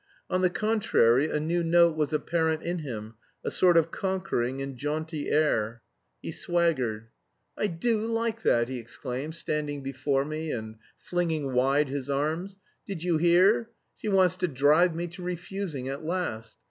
On the contrary a new note was apparent in him, a sort of conquering and jaunty air. He swaggered. "I do like that!" he exclaimed, standing before me, and flinging wide his arms. "Did you hear? She wants to drive me to refusing at last.